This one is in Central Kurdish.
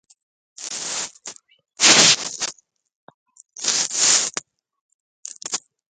تەڵاقی کیژم بە سەد تمەن کڕیەوە و مارەم کرد